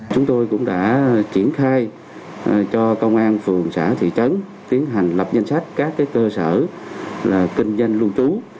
chúng tôi cũng đã triển khai cho công an phường xã thị trấn tiến hành lập danh sách các cơ sở kinh doanh lưu trú